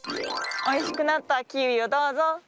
おいしくなったキウイをどうぞ。